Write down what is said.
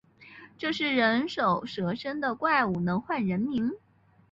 这是人首蛇身的怪物，能唤人名